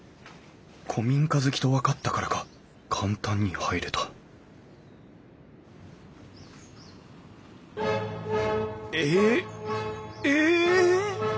古民家好きと分かったからか簡単に入れたえええ！？